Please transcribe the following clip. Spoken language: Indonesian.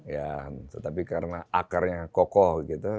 ya tetapi karena akarnya kokoh gitu